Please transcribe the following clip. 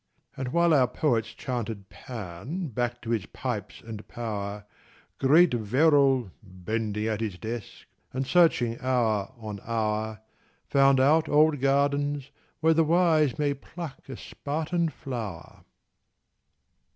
And while our poets chanted Pan Back to his pipes and power, Great Verrall, bending at his desk, And searching hour on hour Found out old gardens, where the wise May pluck a Spartan flower.